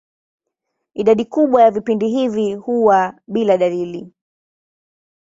Idadi kubwa ya vipindi hivi huwa bila dalili.